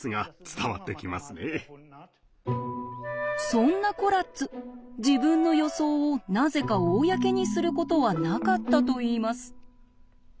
そんなコラッツ自分の予想をなぜか公にすることはなかったといいます。